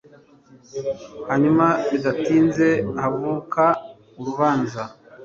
hanyuma bidatinze havuka urubanza